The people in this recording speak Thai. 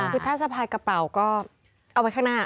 คือถ้าสะพายกระเป๋าก็เอาไว้ข้างหน้า